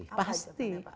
apa rencana pak pasti